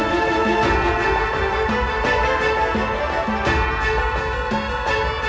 สวัสดีครับสวัสดีครับ